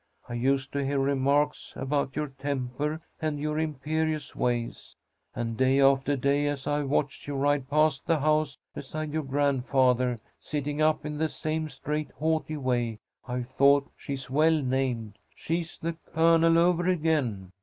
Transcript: I used to hear remarks about your temper and your imperious ways, and day after day, as I've watched you ride past the house beside your grandfather, sitting up in the same straight, haughty way, I've thought she's well named. She's the Colonel over again.